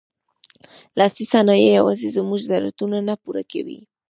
لاسي صنایع یوازې زموږ ضرورتونه نه پوره کوي.